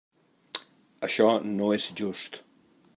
Això no és just.